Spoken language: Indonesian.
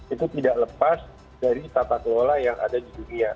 itu tidak lepas dari tata kelola yang ada di dunia